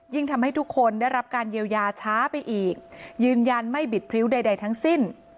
ทำให้ทุกคนได้รับการเยียวยาช้าไปอีกยืนยันไม่บิดพริ้วใดทั้งสิ้น